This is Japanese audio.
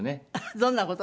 どんな事？